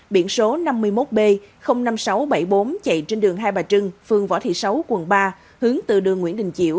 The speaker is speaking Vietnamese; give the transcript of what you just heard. biển số năm mươi một b năm nghìn sáu trăm bảy mươi bốn chạy trên đường hai bà trưng phương võ thị sáu quận ba hướng từ đường nguyễn đình chiểu